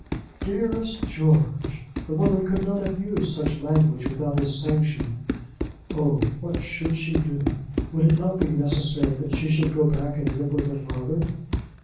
"Dearest George!" The woman could not have used such language without his sanction. Oh; what should she do? Would it not be necessary that she should go back and live with her father?